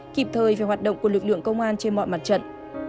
kịp thời về hoạt động của lực lượng công an trên mọi mặt trận